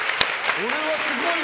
これはすごいわ。